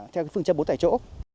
theo cái phương chấp bố tại chỗ